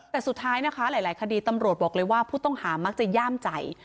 แต่สุดท้ายนะคะหลายคดีตำรวจบอกเลยว่าผู้ต้องหามักจะย่ามใจ